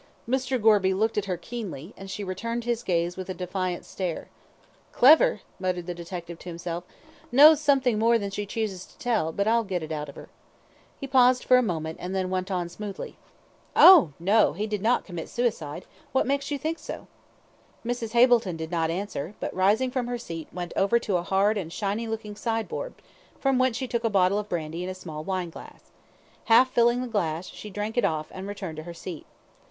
Mr. Gorby looked at her keenly, and she returned his gaze with a defiant stare. "Clever," muttered the detective to himself; "knows something more than she chooses to tell, but I'll get it out of her." He paused a moment, and then went on smoothly: "Oh, no! he did not commit suicide; what makes you think so?" Mrs. Hableton did not answer, but, rising from her seat, went over to a hard and shiny looking sideboard, from whence she took a bottle of brandy and a small wine glass. Half filling the glass, she drank it off, and returned to her seat.